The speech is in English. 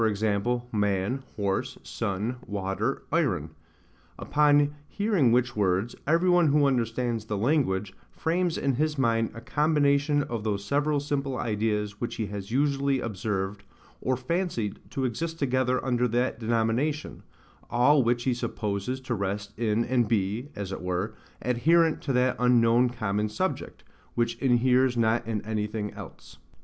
man, horse, sun, water, iron: upon hearing which words, every one who understands the language, frames in his mind a combination of those several simple ideas which he has usually observed, or fancied to exist together under that denomination; all which he supposes to rest in and be, as it were, adherent to that unknown common subject, which inheres not in anything else.